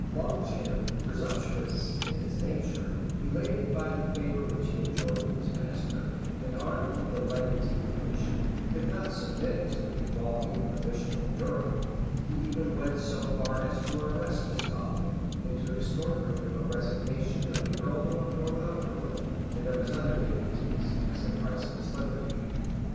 Longchamp, presumptuous in his nature, elated by the favor which he enjoyed with his master, and armed with the legantine commission, could not submit to an equality with the bishop of Durham: he even went so far as to arrest his colleague, and to extort from him a resignation of the earldom of Northumberland, and of his other dignities, as the price of his liberty.